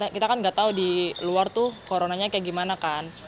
kita kan nggak tahu di luar tuh coronanya kayak gimana kan